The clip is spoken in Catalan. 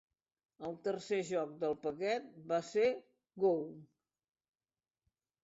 El tercer joc del paquet va ser "Go!".